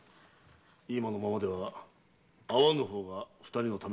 今のままでは会わぬ方が二人のためかもしれぬ。